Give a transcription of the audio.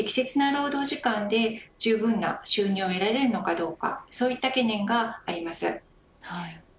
そして適切な労働時間でじゅうぶんな収入が得られるのかどうかそういった懸念があります。